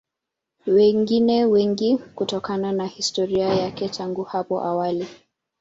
Wengine wengi kutokana na historia yake tangu hapo awali